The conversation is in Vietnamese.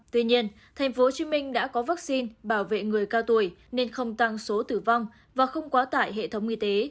tuy nhiên thành phố hồ chí minh đã có vaccine bảo vệ người cao tuổi nên không tăng số tử vong và không quá tải hệ thống y tế